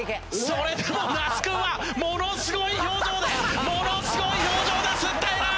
それでも那須君はものすごい表情でものすごい表情で吸っている！